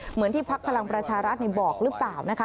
เหมือนที่พักพลังประชารัฐบอกหรือเปล่านะคะ